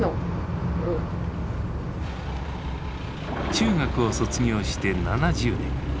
中学を卒業して７０年。